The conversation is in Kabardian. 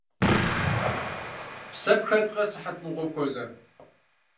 Псэ пхэткъэ, сыхьэт мыгъуэм хуэзэн?